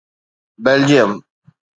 Belgium